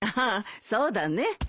ああそうだね。